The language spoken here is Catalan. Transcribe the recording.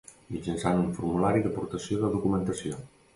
Mitjançant un formulari d'aportació de documentació.